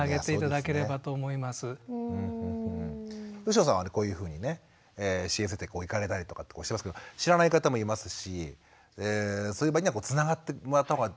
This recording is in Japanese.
吉野さんはこういうふうにね支援センターに行かれたりとかっておっしゃいますけど知らない方もいますしそういう場合にはつながってもらった方が。